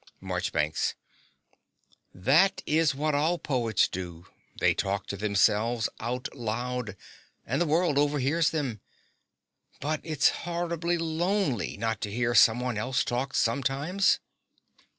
MARCHBANKS. That is what all poets do: they talk to themselves out loud; and the world overhears them. But it's horribly lonely not to hear someone else talk sometimes.